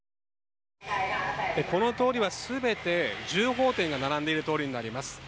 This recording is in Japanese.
この通りは全て銃砲店が並んでいる通りになります。